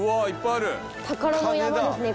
宝の山ですね